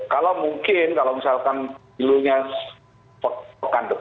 kalau mungkin kalau misalkan ilunya pekan